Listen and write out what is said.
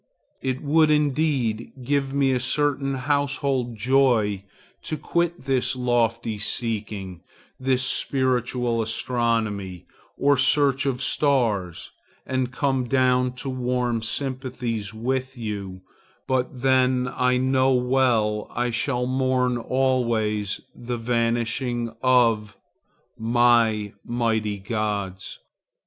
It would indeed give me a certain household joy to quit this lofty seeking, this spiritual astronomy or search of stars, and come down to warm sympathies with you; but then I know well I shall mourn always the vanishing of my mighty gods.